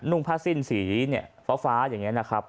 ่งผ้าสิ้นสีเนี่ยฟ้าอย่างนี้นะครับ